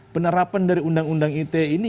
penerapan dari undang undang ite ini